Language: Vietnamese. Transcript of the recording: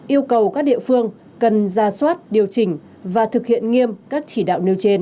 yêu cầu các địa phương cần ra soát điều chỉnh và thực hiện nghiêm các chỉ đạo nêu trên